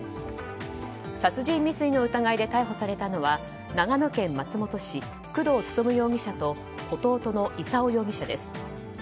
殺人未遂の疑いで逮捕されたのは長野県松本市、工藤勉容疑者と弟の功容疑者です。